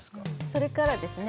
それからですね